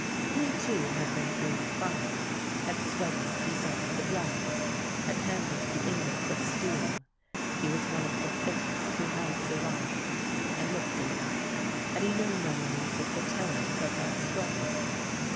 He, too, had been through the fire, had sweated beside the blasts, had handled the ingots of steel. He was one of the "fittest" who had survived, and looked it. Had he no memories of the terrors of that struggle?...